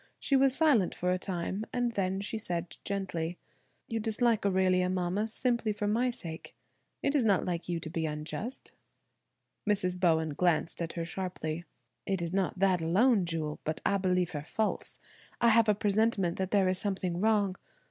She was silent for a time, and then she said gently: "You dislike Aurelia, mama, simply for my sake. It is not like you to be unjust." Mrs. Bowen glanced at her sharply. "It is not that alone, Jewel, but I believe her false. I have a presentiment that there is something wrong.